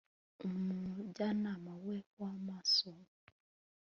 umujyanama we w amasomo